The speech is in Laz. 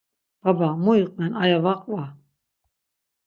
Baba, mu iqven aya va qva.